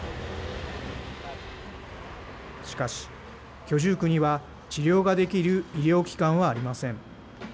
しかし、居住区には治療ができる医療機関はありません。